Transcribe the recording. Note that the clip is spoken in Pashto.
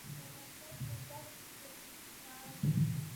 د افغانستان فوټبال فدراسیون فعال دی.